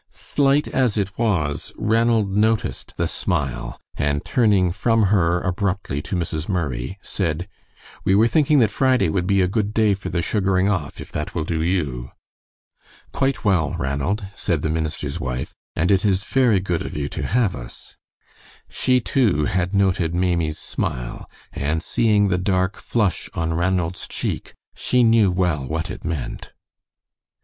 Slight as it was, Ranald noticed the smile, and turning from her abruptly to Mrs. Murray, said: "We were thinking that Friday would be a good day for the sugaring off, if that will do you." "Quite well, Ranald," said the minister's wife; "and it is very good of you to have us." She, too, had noted Maimie's smile, and seeing the dark flush on Ranald's cheek, she knew well what it meant.